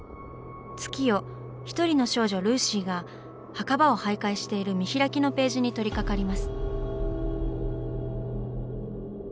月夜１人の少女ルーシーが墓場を徘徊している見開きのページに取りかかります。